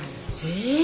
え！